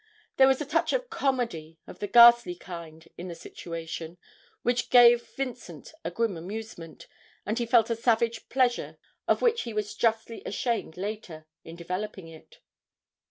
There was a touch of comedy of a ghastly kind in the situation, which gave Vincent a grim amusement, and he felt a savage pleasure, of which he was justly ashamed later, in developing it.